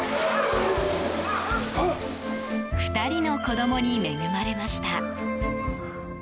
２人の子供に恵まれました。